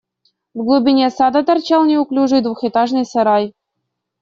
В глубине сада торчал неуклюжий двухэтажный сарай.